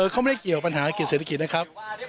เขาไม่ได้เกี่ยวปัญหากิจเศรษฐกิจนะครับ